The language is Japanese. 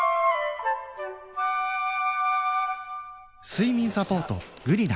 睡眠サポート「グリナ」